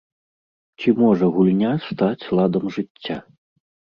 Ці можа гульня стаць ладам жыцця?